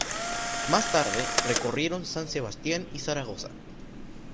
Más tarde recorrieron San Sebastián y Zaragoza.